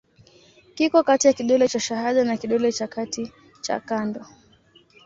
Kiko kati ya kidole cha shahada na kidole cha kati cha kando.